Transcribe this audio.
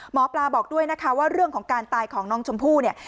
หมอปลาบอกด้วยนะคะว่าเรื่องของการตายของน้องชมพู่เนี่ย